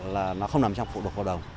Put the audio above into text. là nó không nằm trong phụ đồ hợp đồng